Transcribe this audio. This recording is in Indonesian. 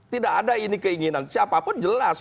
tidak ada ini keinginan siapapun jelas